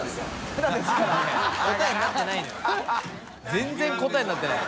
全然答えになってない。